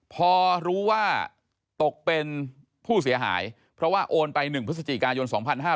พอรู้ว่าตกเป็นผู้เสียหายเพราะว่าโอนไป๑พฤศจิกายน๒๕๕๙